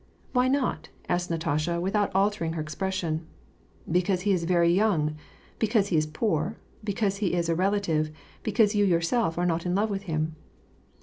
''" Why not ?'* asked Natasha, without altering her expres sion. " Becaus?ril^ is very young, because he is poor, because he is a relative — because you yourself are not in love with him."